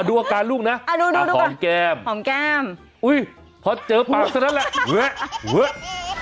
ดูอาการลูกนะหอมแก้มอุ๊ยเพราะเจอปากซะนั้นแหละหว๊ะหว๊ะ